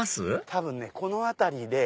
多分ねこの辺りで。